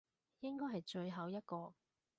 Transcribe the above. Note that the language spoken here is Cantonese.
應該係最後一個